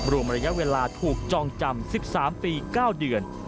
รวมระยะเวลาถูกจองจำ๑๓ปี๙เดือน